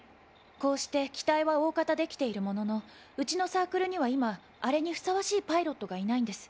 こうして機体はおおかたできているもののうちのサークルには今あれにふさわしいパイロットがいないんです。